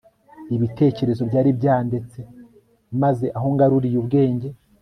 ibitekerezo byari byandetse maze aho ngaruriye ubwenge